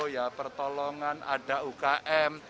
ya pertolongan ada ukm